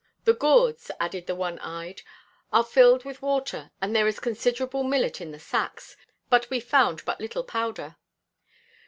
"The gourds," added the one eyed, "are filled with water and there is considerable millet in the sacks; but we found but little powder."